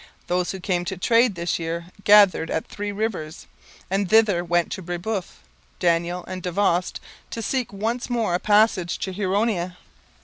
Those who came to trade this year gathered at Three Rivers; and thither went Brebeuf, Daniel, and Davost to seek once more a passage to Huronia.